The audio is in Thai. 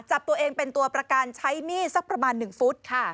จับตัวเองเป็นตัวประกันใช้มีดสักประมาณ๑ฟุต